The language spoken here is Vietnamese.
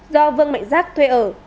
do vương mạnh giác thuê ở